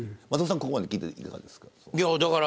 ここまで聞いていかがですか。